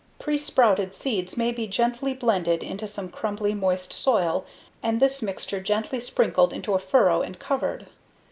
Presprouted seeds may be gently blended into some crumbly, moist soil and this mixture gently sprinkled into a furrow and covered.